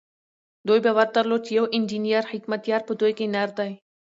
دوی باور درلود چې يو انجنير حکمتیار په دوی کې نر دی.